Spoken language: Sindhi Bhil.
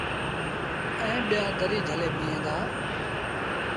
ائيٚݩ ٻيٚآ دريٚ جھلي بيٚهين دآ۔